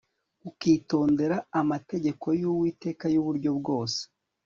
ukitondera amategeko y'uwiteka y'uburyo bwose